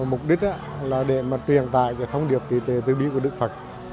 mục đích là để truyền tại thông điệp tự tế tư bí của đức phật